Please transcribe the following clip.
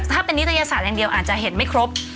ถ้าเป็นนิตยศาสตร์อย่างเดียวอาจจะเห็นไม่ครบ